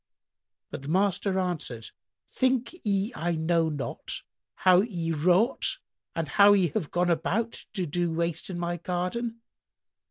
But the master answered, "Think ye I know not how ye wrought and how ye have gone about to do waste in my garden?